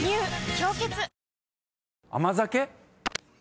「氷結」甘酒？